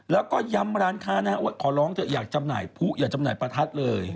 แล้วก็ย้ำร้านค้านะฮะว่าขอร้องเถอะอยากจำหน่ายผู้อย่าจำหน่ายประทัดเลย